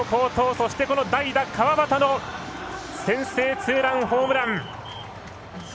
そして代打、川端の先制ツーランホームラン。